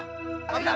tidak ada apa pak